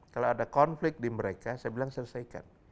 kalau ada konflik di mereka saya bilang selesaikan